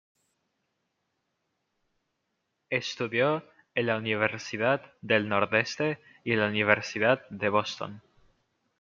Estudió en la Universidad del Nordeste y en la Universidad de Boston.